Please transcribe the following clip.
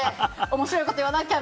面白いこと言わなきゃ！